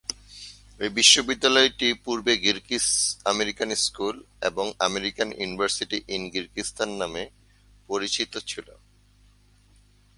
এই বিশ্ববিদ্যালয়টি পূর্বে কিরগিজ-আমেরিকান স্কুল এবং আমেরিকান ইউনিভার্সিটি ইন কিরগিজস্তান নামে পরিচিত ছিল।